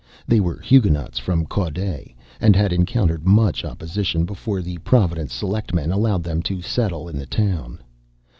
They were Huguenots from Caude, and had encountered much opposition before the Providence selectmen allowed them to settle in the town.